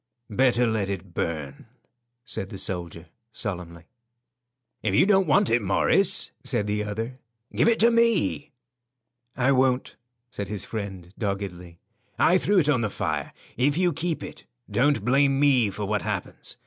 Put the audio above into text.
"Better let it burn," said the soldier, solemnly. "If you don't want it, Morris," said the other, "give it to me." "I won't," said his friend, doggedly. "I threw it on the fire. If you keep it, don't blame me for what happens.